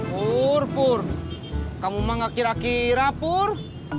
pur pur kamu mah gak kira kira pur